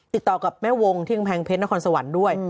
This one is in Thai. ติดต่อกับแม่วงที่เงริงแพงเพชรและความสะวันด้วย